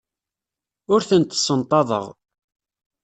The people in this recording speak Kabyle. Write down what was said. Ur tent-ssenṭaḍeɣ.